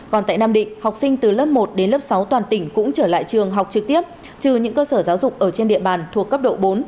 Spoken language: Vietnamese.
còn tại nam định học sinh từ lớp một đến lớp sáu toàn tỉnh cũng trở lại trường học trực tiếp trừ những cơ sở giáo dục ở trên địa bàn thuộc cấp độ bốn